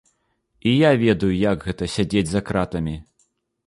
І я ведаю, як гэта, сядзець за кратамі.